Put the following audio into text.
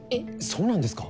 そうなんですか？